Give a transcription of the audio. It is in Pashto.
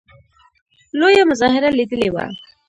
لویه مظاهره لیدلې وه.